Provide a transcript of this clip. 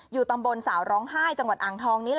ตำบลสาวร้องไห้จังหวัดอ่างทองนี้